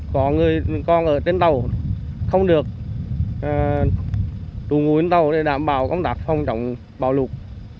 con ở trên tàu không được đủ ngủ trên tàu để đảm bảo công tác phòng trọng bảo lục